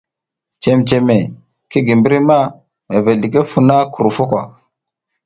Cememe ki gi mbri ma mevel ɗiki funa krufo kwa.